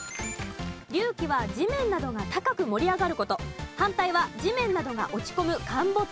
隆起は地面などが高く盛り上がる事反対は地面などが落ち込む陥没でした。